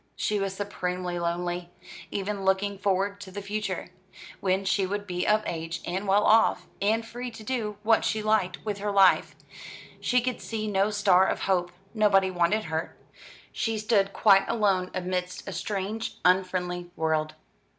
She was supremely lonely. Even looking forward to the future when she would be of age and well off, and free to do what she liked with her life she could see no star of hope. Nobody wanted her. She stood quite alone amidst a strange, unfriendly world.